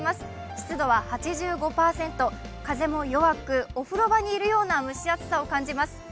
湿度は８５％、風も弱くお風呂場にいるような蒸し暑さを感じます。